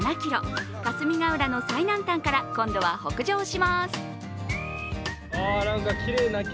霞ヶ浦の最南端から今度は北上します。